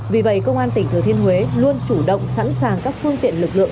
vì vậy công an tỉnh thừa thiên huế luôn chủ động sẵn sàng các phương tiện lực lượng